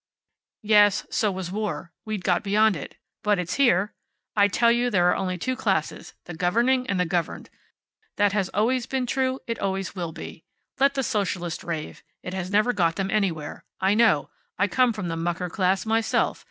"Yes. So was war. We'd got beyond it. But it's here. I tell you, there are only two classes: the governing and the governed. That has always been true. It always will be. Let the Socialists rave. It has never got them anywhere. I know. I come from the mucker class myself.